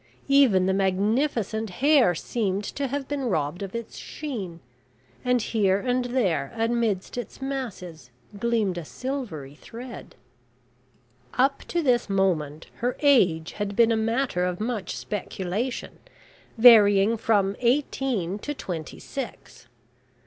Even the magnificent hair seemed to have been robbed of its sheen, and here and there amidst its masses gleamed a silvery thread. Up to this moment her age had been a matter of much speculation, varying from eighteen to twenty six.